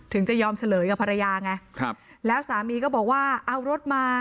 จะยอมเฉลยกับภรรยาไงครับแล้วสามีก็บอกว่าเอารถมา